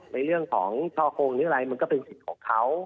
ในเรื่องของช่อกงหรืออะไรมันก็เป็นสิทธิ์ของเขา